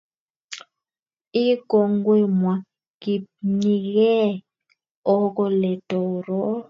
I kongemwa kipnyigei o kole toror